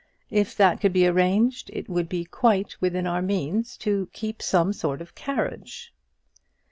If that could be arranged, it would be quite within our means to keep some sort of carriage.